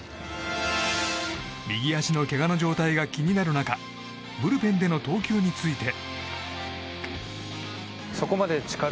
右足のけがの状態が気になる中ブルペンでの投球について。